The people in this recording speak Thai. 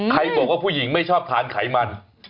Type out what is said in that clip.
บอกว่าผู้หญิงไม่ชอบทานไขมัน